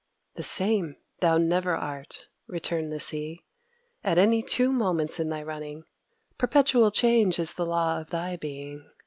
"The same thou never art," returned the Sea, "at any two moments in thy running: perpetual change is the law of thy being.